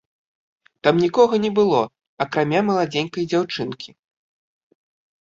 Там нікога не было, акрамя маладзенькай дзяўчынкі.